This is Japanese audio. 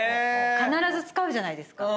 必ず使うじゃないですか。